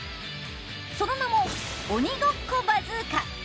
その名も、鬼ごっこバズーカ。